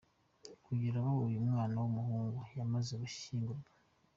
Kugeza ubu uyu mwana w’umuhungu yamaze gushyingurwa.